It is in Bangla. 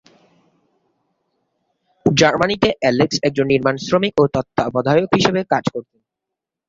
জার্মানিতে অ্যালেক্স একজন নির্মাণ শ্রমিক ও তত্ত্বাবধায়ক হিসেবে কাজ করতেন।